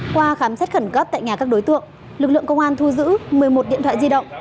qua khám xét khẩn cấp tại nhà các đối tượng lực lượng công an thu giữ một mươi một điện thoại di động